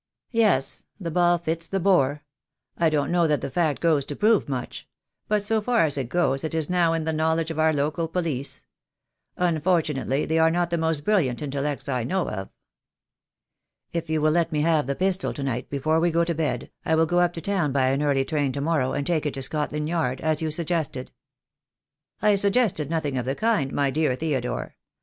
"Yes. The ball fits the bore. I don't know that the fact goes to prove much — but so far as it goes it is now in the knowledge of our local police. Unfortunately they are not the most brilliant intellects I know of." "If you will let me have the pistol to night before we go to bed I will go up to town by an early train to morrow and take it to Scotland Yard, as you sug gested." "I suggested nothing of the kind, my dear Theodore.